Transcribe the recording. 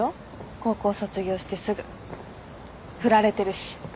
高校卒業してすぐ振られてるし。